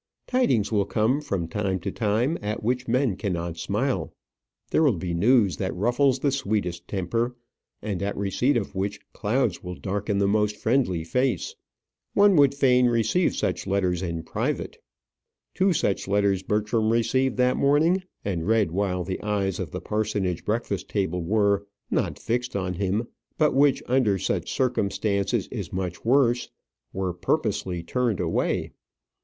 Tidings will come from time to time at which men cannot smile. There will be news that ruffles the sweetest temper, and at receipt of which clouds will darken the most kindly face. One would fain receive such letters in private. Two such letters Bertram received that morning, and read while the eyes of the parsonage breakfast table were not fixed on him, but which under such circumstances is much worse were purposely turned away.